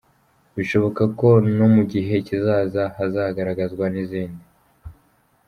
Bishoboka ko no mu gihe kizaza hazagaragazwa n’izindi.